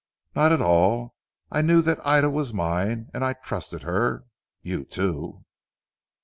"Not at all. I knew that Ida was mine, and I trusted her you too."